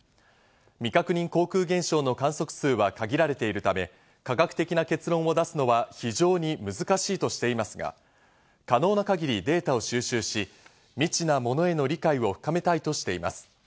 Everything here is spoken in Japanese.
未確認航空現象の観測数は限られているため、科学的な結論を出すのは非常に難しいとしていますが、可能な限りデータを収集し、未知なものへの理解を深めたいとしています。